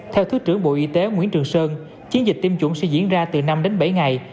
theo thứ trưởng bộ y tế nguyễn trường sơn chiến dịch tiêm chủng sẽ diễn ra từ năm đến bảy ngày